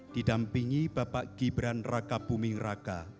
didampingi bapak gibran raka buming raka